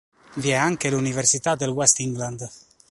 Vi è anche l'università del West England.